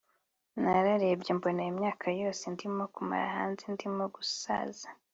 nararebye mbona imyaka yose ndimo kumara hanze ndimo gusaza